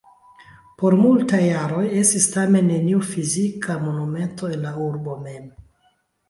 Por multaj jaroj estis, tamen, neniu fizika monumento en la urbo mem.